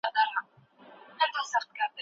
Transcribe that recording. صفوي ایران د هرات په اداره کې پاتې راغی.